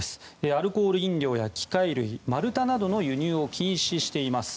アルコール飲料や機械類丸太などの輸入を禁止しています。